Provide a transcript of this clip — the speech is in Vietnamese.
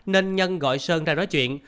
nên nhân gọi sơn ra nói chuyện